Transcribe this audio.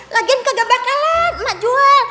lagian kagak bakalan mak jual